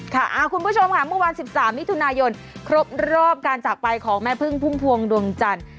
คุณผู้ชมค่ะเมื่อวาน๑๓มิถุนายนครบรอบการจากไปของแม่พึ่งพุ่มพวงดวงจันทร์